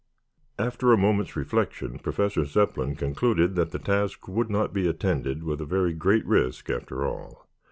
After a moment's reflection Professor Zepplin concluded that the task would not be attended with a very great risk after all.